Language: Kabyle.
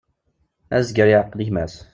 Azger yeƐqel gma-s.